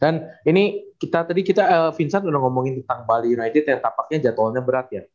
dan ini tadi vincent udah ngomongin tentang bali united yang tapaknya jadwalnya berat ya